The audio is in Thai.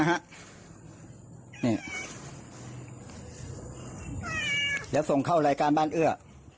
เดี๋ยวส่งเข้ารายการบ้านเอื้อ